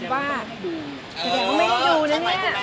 อ๋อทำไมคุณแม่น